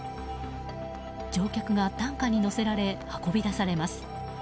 乗客が担架に乗せられ運び出されます。